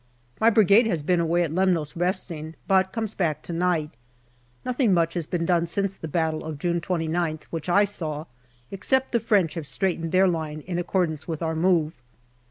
My Brigade has been away at Lemnos resting, but comes back to night. Nothing much has been done since the battle of June 2Qth, which I saw, except the French have straightened their line in accordance with our move.